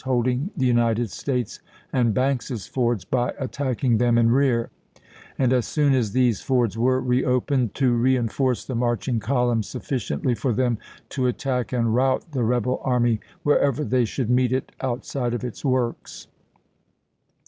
holding the United States and Banks's Fords by at tacking them in rear, and as soon as these fords were re opened to reenforce the marching columns sufficiently for them to attack and rout the rebel army wherever they should meet it outside of its works.